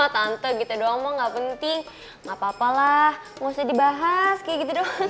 tante gitu doang mah gak penting gak apa apalah gak usah dibahas kayak gitu doang